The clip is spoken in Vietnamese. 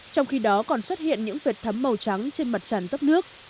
trong khi đó còn xuất hiện những vệt thấm màu trắng trên mặt tràn dốc nước